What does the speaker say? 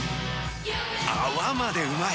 泡までうまい！